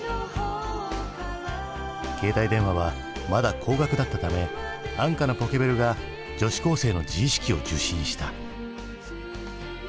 携帯電話はまだ高額だったため安価なポケベルが女子高生の自意識を受信した。